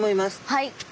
はい。